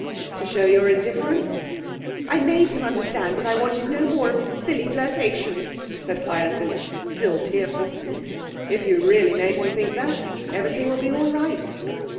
'To show your indifference?' 'I made him understand that I wanted no more of his silly flirtation,' said Hyacinth, still tearful. 'If you really made him think that, everything will be all right.'